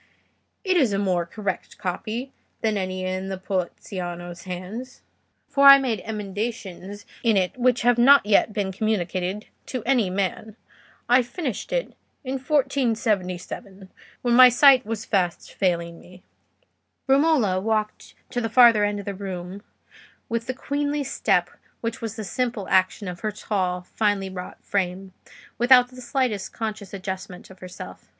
It is a more correct copy than any in Poliziano's hands, for I made emendations in it which have not yet been communicated to any man. I finished it in 1477, when my sight was fast failing me." Romola walked to the farther end of the room, with the queenly step which was the simple action of her tall, finely wrought frame, without the slightest conscious adjustment of herself.